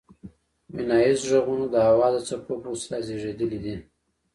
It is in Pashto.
ویناییز غږونه د هوا د څپو په وسیله زیږیدلي دي